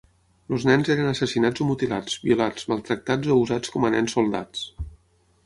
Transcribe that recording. Els nens eren assassinats o mutilats, violats, maltractats o usats com a nens soldats.